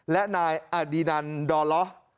และนายอดีนันดอล้อ